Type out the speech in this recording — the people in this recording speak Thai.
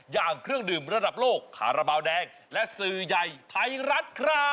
อย่างเครื่องดื่มระดับโลกคาราบาลแดงและสื่อใหญ่ไทยรัฐครับ